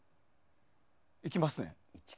いきますね。